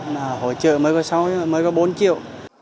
mà hỗ trợ mới có bốn triệu